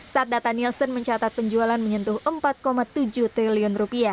saat data nielsen mencatat penjualan menyentuh rp empat tujuh triliun